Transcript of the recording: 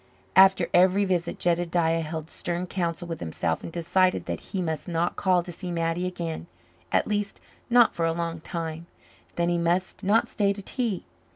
After every visit Jedediah held stern counsel with himself and decided that he must not call to see Mattie again at least, not for a long time; then he must not stay to tea.